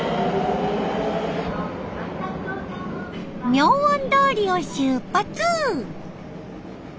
妙音通を出発。